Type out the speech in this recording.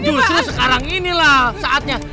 justru sekarang inilah saatnya